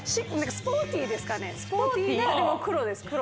スポーティーなでも黒です。